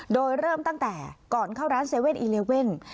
โดยเริ่มตั้งแต่ก่อนเข้าร้าน๗๑๑